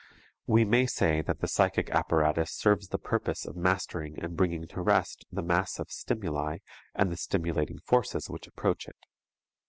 We may say that the psychic apparatus serves the purpose of mastering and bringing to rest the mass of stimuli and the stimulating forces which approach it.